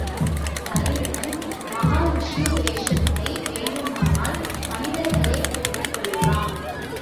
கருடன், மஹா விஷ்ணு வேஷத்தை வேண்டுமானால் மனிதர்களே போட்டுக் கொள்ளலாம்.